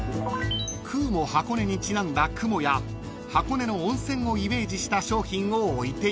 ［ｃｕ―ｍｏ箱根にちなんだ雲や箱根の温泉をイメージした商品を置いているそうです］